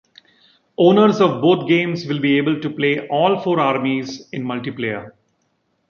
Owners of both games will be able to play all four armies in multiplayer.